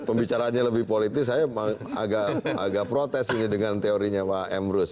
kalau misalnya lebih politik saya memang agak protes ini dengan teorinya pak emrus